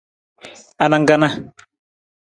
Anang kana?